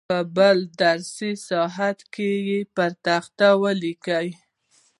په بل درسي ساعت کې یې پر تخته ولیکئ.